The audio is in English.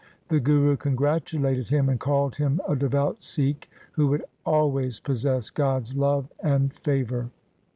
The Guru congratulated him and called him a devout Sikh who would always possess God's love and favour.